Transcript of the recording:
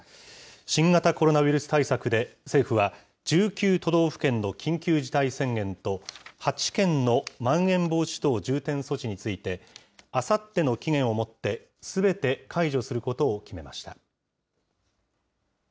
新型コロナウイルス対策で、政府は１９都道府県の緊急事態宣言と、８県のまん延防止等重点措置について、あさっての期限をもって、すべて解除することを決めました。